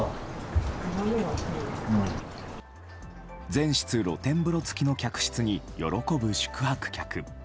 全室露天風呂付きの客室に喜ぶ宿泊客。